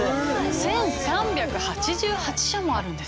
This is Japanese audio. １３８８社もあるんです。